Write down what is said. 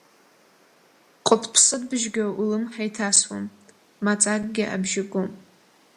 Ҟытԥсытбыжьгьы улымҳа иҭасуам, маҵакгьы абжьы гом.